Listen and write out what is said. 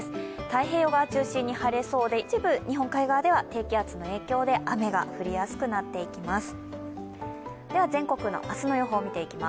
太平洋側を中心に晴れそうで一部日本海側では低気圧の影響で雨が降りやすくなっていきます。